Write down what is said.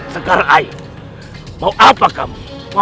sekarang mau apa kamu